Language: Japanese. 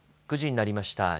９時になりました。